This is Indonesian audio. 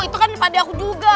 pak d aku juga